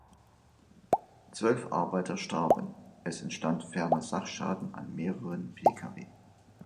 Zwölf Arbeiter starben, es entstand ferner Sachschaden an mehreren Pkw.